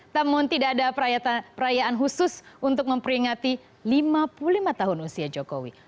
namun tidak ada perayaan khusus untuk memperingati lima puluh lima tahun usia jokowi